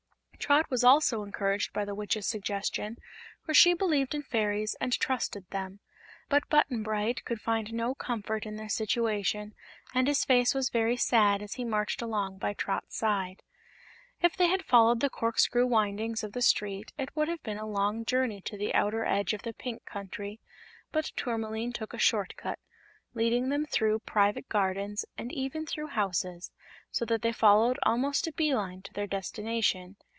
Trot was also encouraged by the Witch's suggestion, for she believed in fairies and trusted them; but Button Bright could find no comfort in their situation and his face was very sad as he marched along by Trot's side. If they had followed the corkscrew windings of the street it would have been a long journey to the outer edge of the Pink Country, but Tourmaline took a short cut, leading them through private gardens and even through houses, so that they followed almost a bee line to their destination.